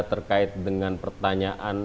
terkait dengan pertanyaan